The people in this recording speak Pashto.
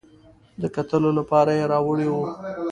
د کتلو لپاره یې راوړې وه.